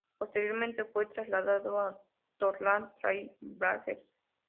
Posteriormente fue traspasado a Portland Trail Blazers.